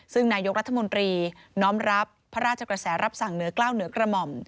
ซึ่งนายกรัฐมนตรีน้อมรับพระราชกระแสรับสั่งเหนือกล้าวเหนือกระหม่อม